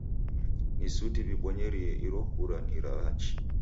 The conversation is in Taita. Ni suti w'ibonyerie iro kura ni ra hachi.